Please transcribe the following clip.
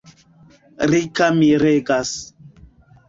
Rika miregas.